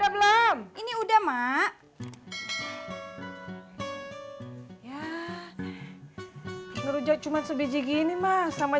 berarti mata lu keduduk periksa tuh